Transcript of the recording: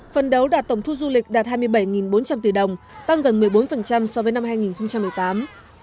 phần đấu đạt tổng thu du lịch đạt hai mươi bảy bốn trăm linh tỷ đồng tăng gần một mươi bốn so với năm hai nghìn một mươi tám